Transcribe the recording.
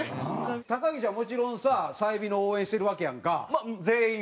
高岸はもちろんさ済美の応援してるわけやんか。